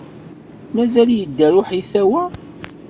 Mazal yedder uḥitaw-a?